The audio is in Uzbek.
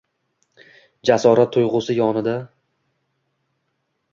Jasorat tuyg’usi yonida